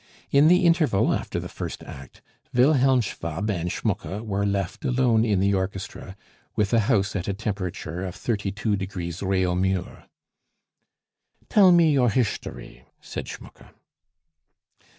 In the interval, after the first act, Wilhelm Schwab and Schmucke were left alone in the orchestra, with a house at a temperature of thirty two degrees Reaumur. "Tell me your hishdory," said Schmucke.